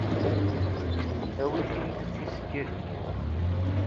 Awit-yi-d tisekkadin-iw.